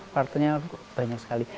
partenya banyak sekali